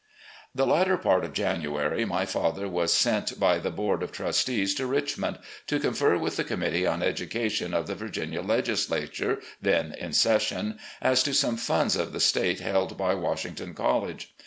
The latter part of January my father was sent by the board of trustees to Richmond to confer with the Committee on Education of the Virginia Legislature, then in session, as to some funds of the State held by Washington College.